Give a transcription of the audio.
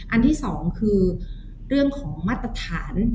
อันที่สองคือเรื่องของมาตรฐาน